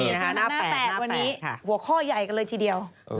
นี่นะฮะหน้าแปดค่ะวันนี้หัวข้อใหญ่กันเลยทีเดียว